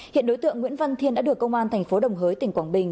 hiện đối tượng nguyễn văn thiên đã được công an thành phố đồng hới tỉnh quảng bình